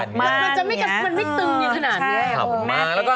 ตึงอยู่ขนาดนี้